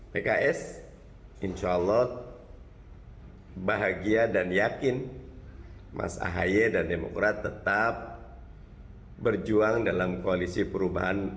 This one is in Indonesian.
pks insya allah bahagia dan yakin mas ahaye dan demokrat tetap berjuang dalam koalisi perubahan